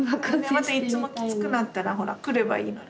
またいつもきつくなったらほら来ればいいのに。